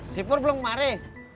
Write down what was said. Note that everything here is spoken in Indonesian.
sipur belum kemari